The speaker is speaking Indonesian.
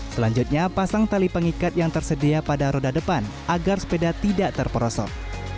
selanjutnya pasang tali pengikat yang tersedia pada roda depan agar sepeda tidak terperosok